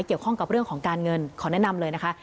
เกี่ยวข้องกับเรื่องของการเงินขอแนะนำเลยนะคะ